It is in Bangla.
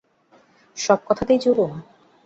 সব কথাতেই জুলুম?